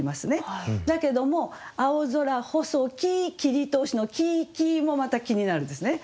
だけども「青空細き切通し」の「き」「き」もまた気になるんですね。